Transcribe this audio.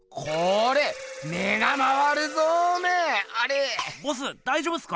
ボスだいじょうぶっすか⁉